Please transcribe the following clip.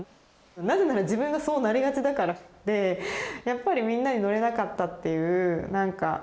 なぜなら自分がそうなりがちだからでやっぱりみんなに乗れなかったっていうなんか。